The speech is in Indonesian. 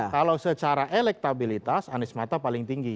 kalau secara elektabilitas anies mata paling tinggi